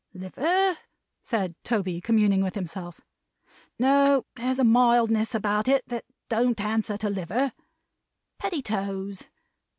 "Liver?" said Toby, communing with himself. "No. There's a mildness about it that don't answer to liver. Pettitoes?